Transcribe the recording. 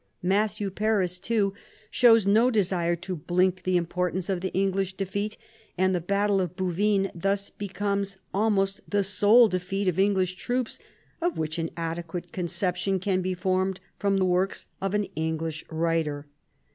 Matthew Paris, too, shows no desire to blink the importance of the English defeat ; and the battle of Bouvines thus becomes almost the sole defeat of English troops of which an adequate conception can be formed from the works of an English writer.